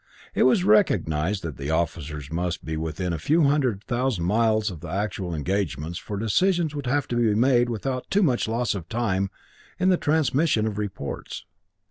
It was recognized that the officers must be within a few hundred thousand miles of the actual engagements, for decisions would have to be made without too much loss of time in the transmission of reports.